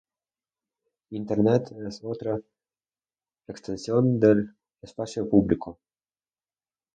Internet es otra extensión del espacio público